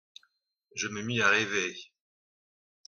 Je me mis à rêver.